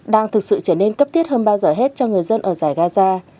đang thực sự trở nên cấp thiết hơn bao giờ hết cho người dân ở giải gaza